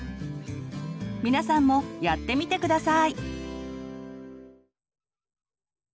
皆さんもやってみて下さい！